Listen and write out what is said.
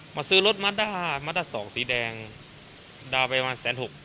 มาซื้อรถมาดาวน์รถสองสีแดงดาวน์ไปประมาณ๑๖๐๐บาท